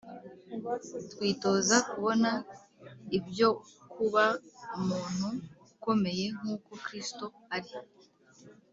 Twitoze kubona ibyo kuba umuntu ukomeye nk uko Kristo ari